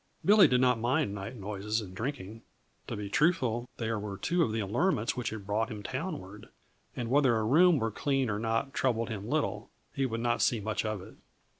Billy did not mind night noises and drinking to be truthful, they were two of the allurements which had brought him townward and whether a room were clean or not troubled him little; he would not see much of it.